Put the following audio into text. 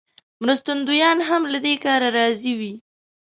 مرستندویان هم له دې کاره راضي وي.